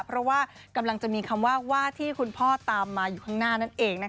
เพราะว่ากำลังจะมีคำว่าว่าที่คุณพ่อตามมาอยู่ข้างหน้านั่นเอง